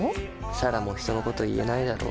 彩良も人のこと言えないだろ。